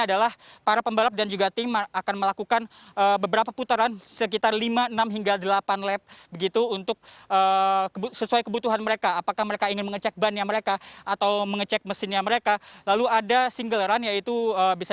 dan di hari kedua